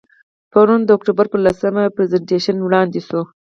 پرون د اکتوبر په لسمه، پرزنټیشن وړاندې شو.